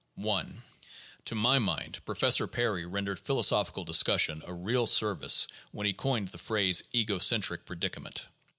I To my mind, Professor Perry rendered philosophic discussion a real service when he coined the phrase "ego centric predicament."